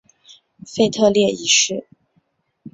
腓特烈一世。